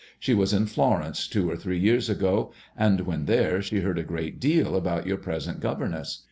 She was in Florence two or three years ago, and when there, she heard a great deal about your present governess.